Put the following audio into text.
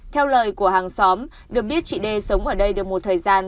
theo lời của hàng xóm được biết chị đê sống ở đây được một thời gian